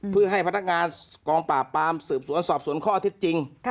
เพื่อให้พนักงานกองปราบปามสืบสวนสอบสวนข้อเท็จจริง